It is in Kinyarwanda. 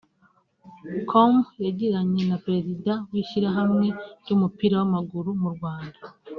com yagiranye na Perezida w’ishyirahamwe ry’umupira w’amaguru mu Rwanda